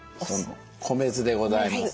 米酢でございます。